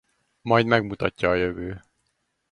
Majd megmutatja a jövő.